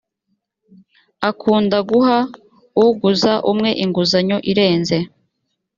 akunda guha uguza umwe inguzanyo irenze